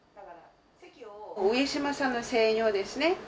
上島さんの専用ですね。